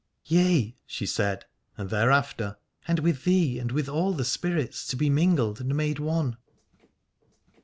Yea, she said, and thereafter : and with thee and with all spirits to be mingled and made one.